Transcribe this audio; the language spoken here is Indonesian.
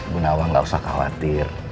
bu nawang gak usah khawatir